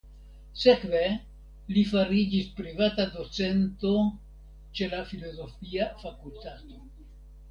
Sekve li fariĝis privata docento ĉe la filozofia fakultato.